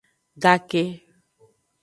Gake.